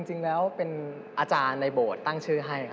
จริงแล้วเป็นอาจารย์ในโบสถ์ตั้งชื่อให้ครับ